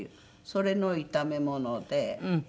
それの炒め物で。